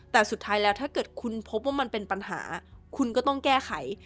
แต่สุดท้ายแล้วถ้าเกิดคุณพบว่ามันเป็นปัญหาคุณก็ต้องแก้ไข